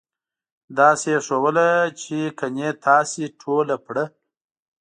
داسې یې ښودله چې ګنې تاسې ټوله پړه.